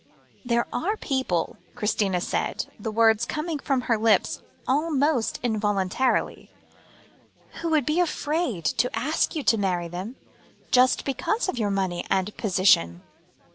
"There are some people," Christina said, the words coming from her lips almost involuntarily "who would be afraid to ask you to marry them, just because of your money and position."